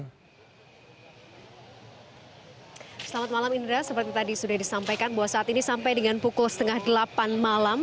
selamat malam indra seperti tadi sudah disampaikan bahwa saat ini sampai dengan pukul setengah delapan malam